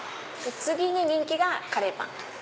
次に人気がカレーパン。